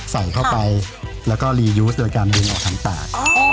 ใส่เข้าไปแล้วก็รียูสโดยการดึงออกทางปาก